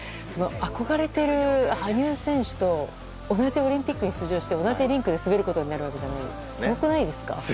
憧れている羽生選手と同じオリンピックに出場して同じリンクで滑ることになるわけじゃないですか。